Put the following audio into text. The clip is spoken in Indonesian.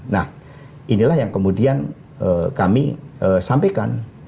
nah inilah yang kemudian kami sampaikan